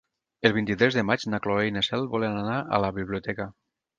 El vint-i-tres de maig na Cloè i na Cel volen anar a la biblioteca.